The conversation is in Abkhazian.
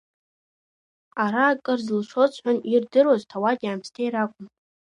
Ара акыр зылшоз ҳәан ирдыруаз ҭауади-аамсҭеи ракәын.